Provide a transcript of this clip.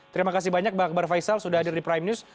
terimakasih banyak pak akbar faisal sudah hadir di prime news